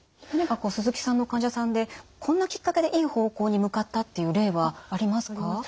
何かこう鈴木さんの患者さんでこんなきっかけでいい方向に向かったっていう例はありますか？